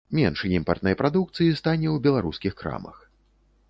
Менш імпартнай прадукцыі стане ў беларускіх крамах.